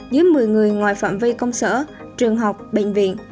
dưới một mươi người ngoài phạm vi công sở trường học bệnh viện